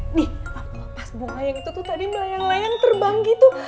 nih pas bu layang itu tuh tadi melayang layang terbang gitu